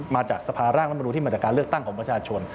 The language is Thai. มาจากสภาร่างรัฐมนุนที่มาจากการเลือกตั้งของประชาชน